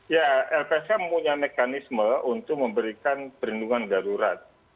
ya lpsk punya mekanisme untuk memberikan perlindungan darurat